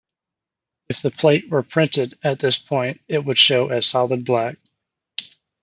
If the plate were printed at this point it would show as solid black.